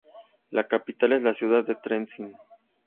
La capital es la ciudad de Trenčín.